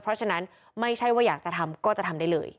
เพราะฉะนั้นไม่ใช่ว่าอยากจะทำก็จะทำได้เลย